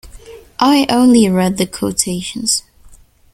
I only read the quotations.